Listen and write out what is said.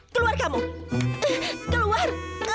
keluar kamu keluar